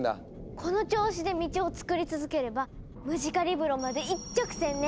この調子で道を作り続ければムジカリブロまで一直線ね。